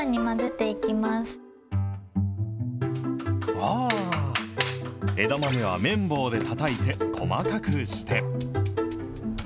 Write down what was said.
わー、枝豆は麺棒でたたいて細かくして。